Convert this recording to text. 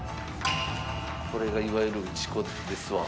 これがいわゆる打ち粉ですわ。